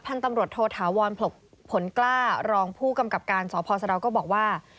ตำรวจโทษาวรผลกล้ารองผู้กำกับการสพสะดาวก็บอกว่า